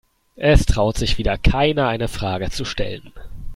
Es traut sich wieder keiner, eine Frage zu stellen.